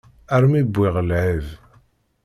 Armi wwiɣ lεib.